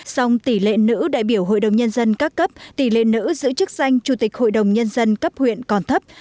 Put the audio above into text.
song tỷ lệ nữ đại biểu hội đồng nhân dân các cấp tỷ lệ nữ giữ chức danh chủ tịch hội đồng nhân dân cấp huyện còn thấp